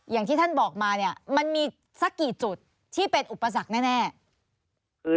อย่างที่ท่านบอกมาเนี่ยมันมีสักกี่จุดที่เป็นอุปสรรคแน่